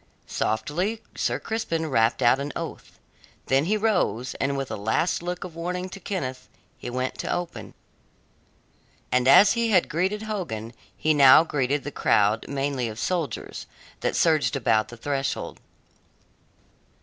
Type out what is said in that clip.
Softly Sir Crispin rapped out an oath. Then he rose, and with a last look of warning to Kenneth, he went to open. And as he had greeted Hogan he now greeted the crowd mainly of soldiers that surged about the threshold.